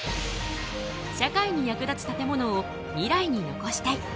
社会に役立つ建物を未来に残したい。